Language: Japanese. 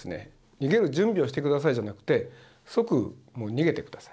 逃げる準備をしてくださいじゃなくて即逃げてください。